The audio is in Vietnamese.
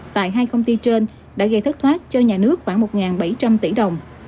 tại hai công ty trên đã gây thất thoát cho nhà nước khoảng một bảy trăm linh tỷ đồng